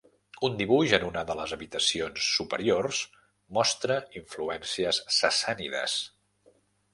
Un dibuix en una de les habitacions superiors mostra influències sassànides.